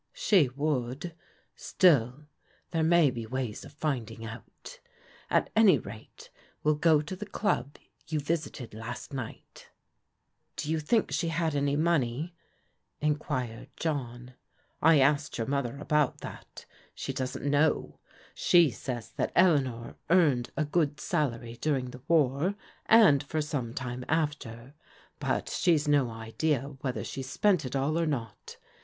" She would. Still there may be ways of finding out. At any rate we'll go to the dub you visited last night." " Do you think she had any money ?" enquired John. " I asked your mother about that. She doesn't know. She says that Eleanor earned a good salary during the war, and for some time after, but she's no idea whether she spent it all or not.